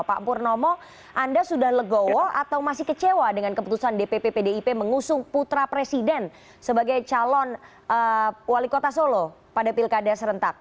pak purnomo anda sudah legowo atau masih kecewa dengan keputusan dpp pdip mengusung putra presiden sebagai calon wali kota solo pada pilkada serentak